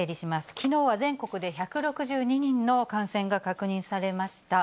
きのうは全国で１６２人の感染が確認されました。